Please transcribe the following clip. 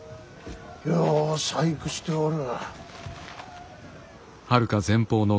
よう細工しておる。